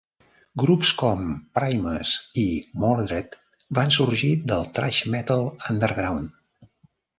Grups com Primus i Mordred van sorgir del thrash metall underground.